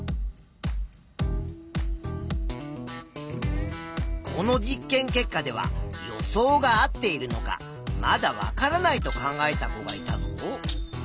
最後はこの実験結果では予想が合っているのかまだわからないと考えた子がいたぞ。